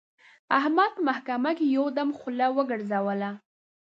احمد په محکمه کې یو دم خوله وګرځوله.